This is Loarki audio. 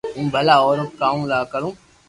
ھون ڀلا او رو ڪاو ڪرو